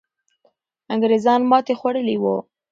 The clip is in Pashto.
انګریزان ماتې خوړلې وو.